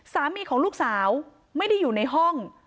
สามีของลูกสาวไม่ได้อยู่ในห้อง